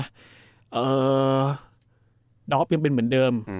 ดอฟยังเป็นเหมือนเดิม